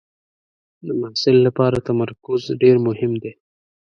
د محصل لپاره تمرکز ډېر مهم دی.